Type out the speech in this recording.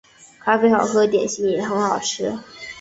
咖啡好喝，点心也很好吃